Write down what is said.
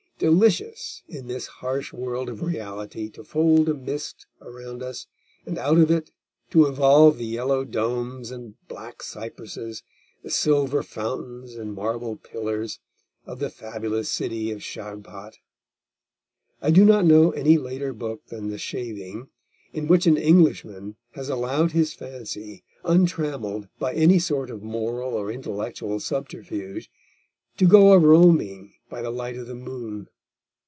Delicious in this harsh world of reality to fold a mist around us, and out of it to evolve the yellow domes and black cypresses, the silver fountains and marble pillars, of the fabulous city of Shagpat. I do not know any later book than The Shaving in which an Englishman has allowed his fancy, untrammelled by any sort of moral or intellectual subterfuge, to go a roaming by the light of the moon.